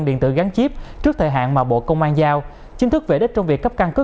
điện tử gắn chip trước thời hạn mà bộ công an giao chính thức về đích trong việc cấp căn cứ